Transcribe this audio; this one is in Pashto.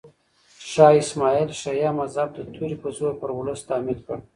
شاه اسماعیل شیعه مذهب د تورې په زور پر ولس تحمیل کړ.